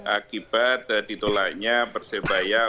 akibat ditolaknya persebaya